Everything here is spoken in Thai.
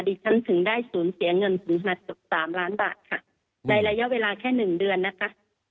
ดิฉันถึงได้ศูนย์เสียเงินถึง๑๓ล้านบาทค่ะในระยะเวลาแค่๑เดือนนะครับ